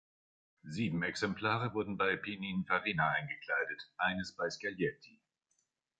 Sieben Exemplare wurden bei Pinin Farina eingekleidet, eines bei Scaglietti.